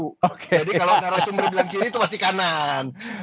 jadi kalau narasumber bilang kiri itu pasti kanan